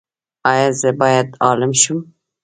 ایا زه باید عالم شم؟